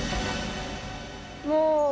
もう。